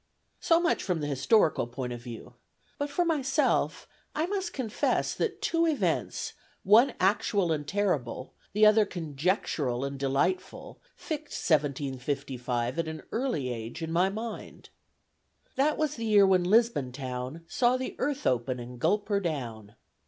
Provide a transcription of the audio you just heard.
So much from the historical point of view; but for myself, I must confess that two events, one actual and terrible, the other conjectural and delightful, fixed 1755 at an early age in my mind. That was the year when Lisbon town Saw the earth open and gulp her down.